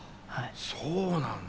そうなんだ。